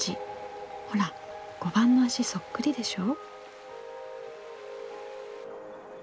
ほら碁盤の脚そっくりでしょ？